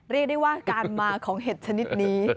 เรียกได้ว่าการมาของเห็ดชนิดนี้